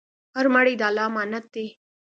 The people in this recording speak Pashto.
هر مړی د الله امانت دی.